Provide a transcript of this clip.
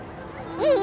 うん！